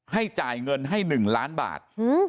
ให้จ่ายเงินให้๑ล้านบาท